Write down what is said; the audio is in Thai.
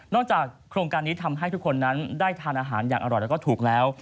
จากโครงการนี้ทำให้ทุกคนนั้นได้ทานอาหารอย่างอร่อยแล้วก็ถูกแล้ว